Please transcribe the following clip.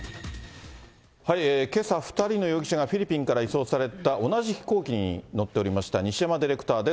けさ、２人の容疑者がフィリピンから移送された同じ飛行機に乗っておりました、西山ディレクターです。